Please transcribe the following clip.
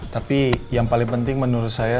tapi yang paling penting menurut saya